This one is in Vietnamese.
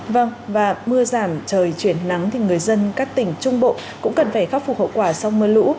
vâng và mưa giảm trời chuyển nắng thì người dân các tỉnh trung bộ cũng cần phải khắc phục hậu quả sau mưa lũ